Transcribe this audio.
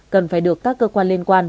cần phải được các cơ quan liên quan